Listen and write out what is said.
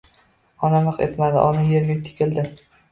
Ona miq etmadi. Ona yerga tikildi.